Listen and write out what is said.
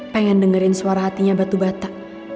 pengen dengerin suara hatinya batu bata